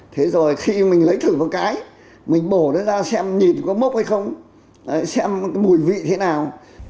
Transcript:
thế rồi khi mình lấy thử một cái mình bổ nó ra xem nhìn có mốc hay không xem một cái mùi vị thế nào